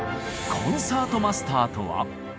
コンサートマスターとは？